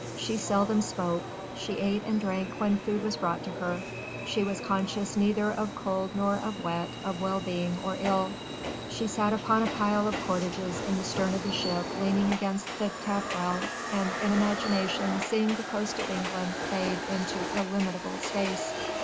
She seldom spoke: she ate and drank when food was brought to her: she was conscious neither of cold nor of wet, of well being or ill. She sat upon a pile of cordages in the stern of the ship leaning against the taffrail and in imagination seeing the coast of England fade into illimitable space.